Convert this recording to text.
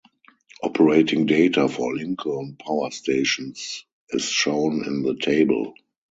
Operating data for Lincoln power stations is shown in the table.